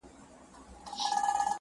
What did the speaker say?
په لېمو دي پوهومه,